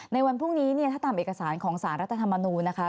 ในวันพรุ่งนี้เนี่ยถ้าตามเอกสารของสารรัฐธรรมนูญนะคะ